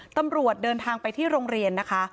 ตำรวจเดินทางไปที่โรงเรียนนะคะ